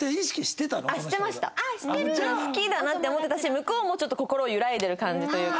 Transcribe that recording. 好きだなって思ってたし向こうもちょっと心揺らいでる感じというか。